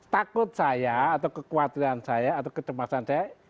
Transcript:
takut saya atau kekhawatiran saya atau kecemasan saya